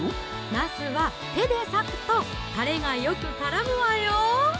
なすは手でさくとたれがよく絡むわよ！